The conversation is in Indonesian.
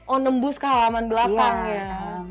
oh nembus ke halaman belakang ya